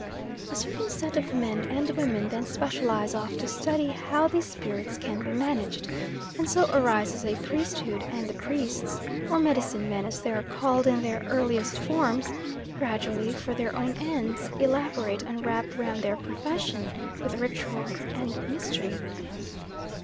A certain set of men and women then specialise off to study how these spirits can be managed, and so arises a priesthood; and the priests, or medicine men as they are called in their earliest forms, gradually, for their own ends, elaborate and wrap round their profession with ritual and mystery.